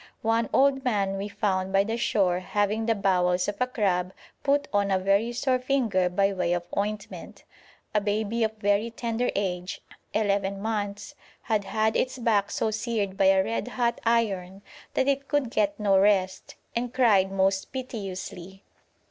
One old man we found by the shore having the bowels of a crab put on a very sore finger by way of ointment. A baby of very tender age (eleven months) had had its back so seared by a red hot iron that it could get no rest, and cried most piteously.